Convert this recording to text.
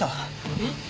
えっ？